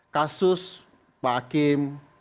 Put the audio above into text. kasus pak hakim